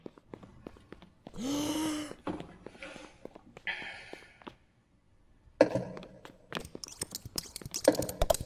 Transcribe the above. The art style is beyond incredible.